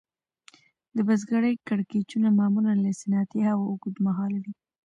د بزګرۍ کړکېچونه معمولاً له صنعتي هغو اوږد مهاله وي